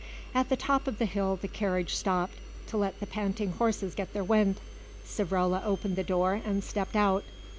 At the top of the hill the carriage stopped, to let the panting horses get their wind. Savrola opened the door and stepped out.